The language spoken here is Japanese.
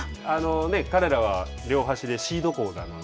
彼らは両端でシード校なので。